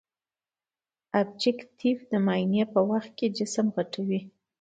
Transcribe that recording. ابجکتیف د معاینې په وخت کې جسم غټوي.